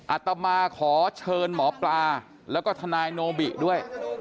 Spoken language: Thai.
อัตมาขอเชิญหมอปลาแล้วก็ทนายโนบิด้วย